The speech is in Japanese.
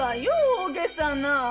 大げさな。